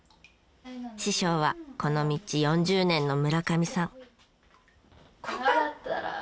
師匠はこの道４０年の村上さん。